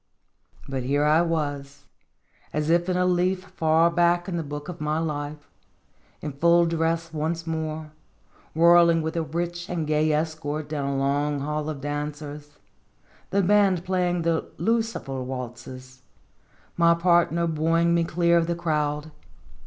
But here I was, as if in a leaf far back in the book of my life, in full dress once more, whirling with a rich and gay escort down a long hall of dancers, the band playing the " Lucifer" waltzes, my partner buoying me clear of the crowd.